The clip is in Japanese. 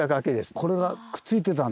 これがくっついてたんだ。